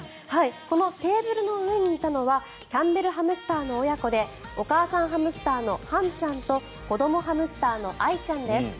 このテーブルの上にいたのはキャンベルハムスターの親子でお母さんハムスターのはんちゃんと子どもハムスターのあいちゃんです。